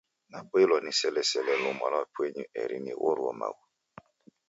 Naboilwagha niselesele luma lwa penyu eri nighoruo maghu.